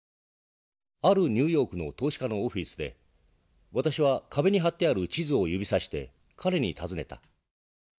「あるニューヨークの投資家のオフィスで私は壁に貼ってある地図を指さして彼に訪ねた。